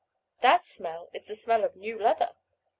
"That smell is the smell of new leather."